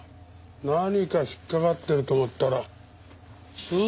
何か引っかかってると思ったら通販だ。